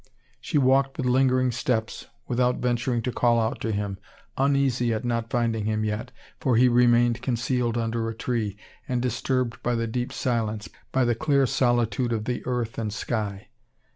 She walked with lingering steps, without venturing to call out to him, uneasy at not finding him yet, for he remained concealed under a tree, and disturbed by the deep silence, by the clear solitude of the earth and sky.